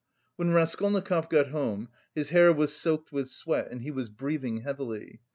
When Raskolnikov got home, his hair was soaked with sweat and he was breathing heavily.